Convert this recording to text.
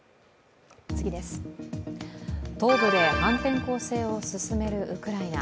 東部で反転攻勢を進めるウクライナ。